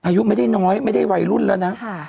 อายุไม่ได้น้อยไม่ได้วัยรุ่นแล้วนะ